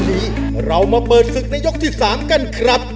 วันนี้เรามาเปิดฝึกในยกสิทธิศามกันครับ